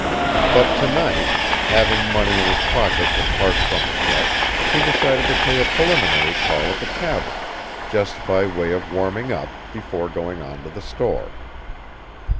But to night, having money in his pocket apart from the check, he decided to pay a preliminary call at the tavern, just by way of warming up, before going on to the store.